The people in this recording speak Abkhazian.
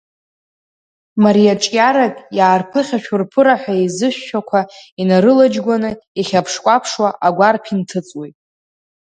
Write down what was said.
Мариа-ҿариак иаарԥыхьашәо рԥыраҳәа еизышәшәақәа инарылаџьгәаны, ихьаԥшкәаԥшуа, агәарԥ инҭыҵуеит.